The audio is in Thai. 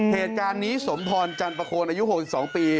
เหตุการณ์นี้สมพรจันประโคนอายุ๖๒ปี